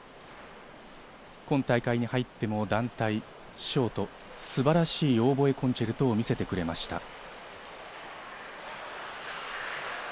今大会に入っても団体、ショート、素晴らしい『オーボエコンチェルト』を見せてくれました。